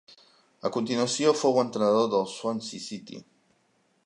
A continuació fou entrenador de Swansea City.